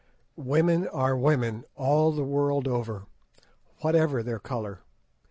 Women are women, all the world over, whatever their colour.